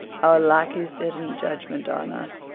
Our lackeys sit in judgment on us.